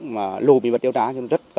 mà lộ bí mật điều tra